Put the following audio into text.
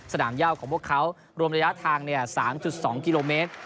สนามยาวของพวกเขารวมระยะทางเนี่ย๓๒กิโลเมตร